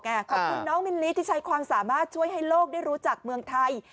ขอบคุณน้องมิลลิที่ใช้ความสามารถช่วยให้โลกได้รู้จักเมืองไทย